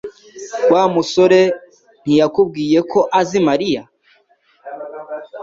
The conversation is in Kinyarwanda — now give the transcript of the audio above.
Wa musore ntiyakubwiye ko azi Mariya?